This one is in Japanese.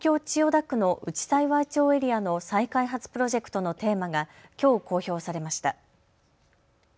千代田区の内幸町エリアの再開発プロジェクトのテーマがきょう公表されました。